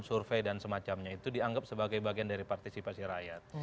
survei dan semacamnya itu dianggap sebagai bagian dari partisipasi rakyat